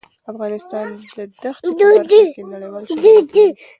افغانستان د ښتې په برخه کې نړیوال شهرت لري.